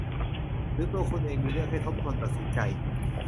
หรือตัวคุณเองมีเรื่องให้ทบทวนตัดสินใจ